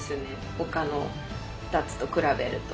ほかの２つと比べると。